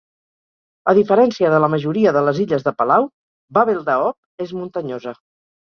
A diferència de la majoria de les illes de Palau, Babeldaob és muntanyosa.